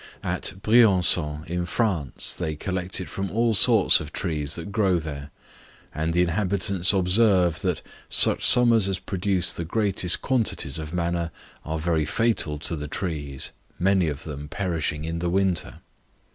At Briançon, in France, they collect it from all sorts of trees that grow there, and the inhabitants observe, that such summers as produce the greatest quantities of manna are very fatal to the trees, many of them perishing in the winter.